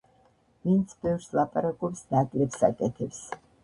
ვინც ბევრს ლაპარაკობს, ნაკლებს აკეთებს.